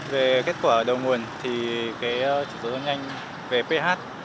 về kết quả đầu nguồn thì chỉ số nhanh về ph